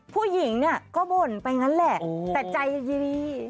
ผู้หญิงก็บนไปนั่นแหละแต่ใจยังยินดี